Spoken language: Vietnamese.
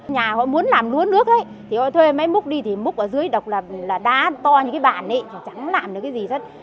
nhà họ muốn làm luôn nước ấy thì họ thuê máy múc đi thì múc ở dưới đọc là đá to như cái bản ấy chẳng làm được cái gì hết